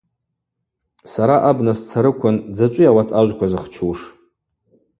Сара абна сцарыквын, дзачӏвыйа ауат ажвква зхчуш?